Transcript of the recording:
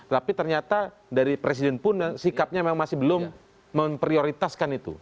tapi ternyata dari presiden pun sikapnya memang masih belum memprioritaskan itu